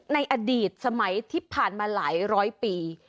ในอดีตสมัยที่ผ่านมาหลายร้อยปี